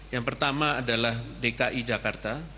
yang pertama adalah dki jakarta